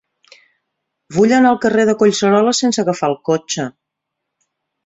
Vull anar al carrer de Collserola sense agafar el cotxe.